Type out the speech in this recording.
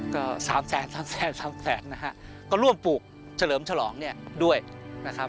ก็สามแสนสามแสนก็ร่วมปลูกเฉลิมฉลองด้วยนะครับ